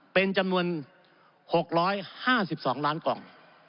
เป็นจำนวน๖๕๒ล้านกล่อง